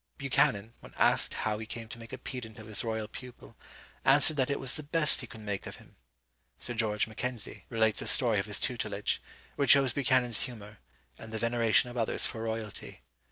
Buchanan, when asked how he came to make a pedant of his royal pupil, answered that it was the best he could make of him. Sir George Mackenzie relates a story of his tutelage, which shows Buchanan's humour, and the veneration of others for royalty.